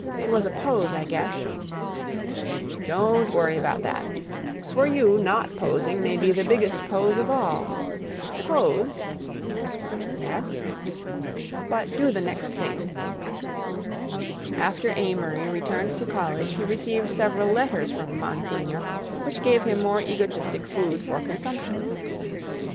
It was a pose, I guess." "Don't worry about that; for you not posing may be the biggest pose of all. Pose—" "Yes?" "But do the next thing." After Amory returned to college he received several letters from Monsignor which gave him more egotistic food for consumption.